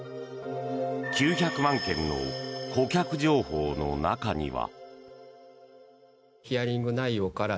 ９００万件の顧客情報の中には。